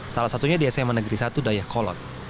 salah satunya di sma negeri satu dayakolot